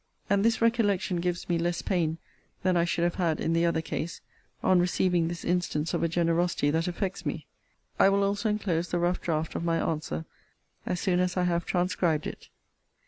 And this recollection gives me less pain than I should have had in the other case, on receiving this instance of a generosity that affects me. I will also enclose the rough draught of my answer, as soon as I have transcribed it.